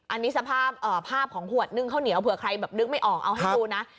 อันนี้สภาพภาพของขวดนึ่งข้าวเหนียวเผื่อใครแบบนึกไม่ออกเอาให้ดูนะ